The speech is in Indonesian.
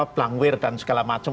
blangwir dan segala macam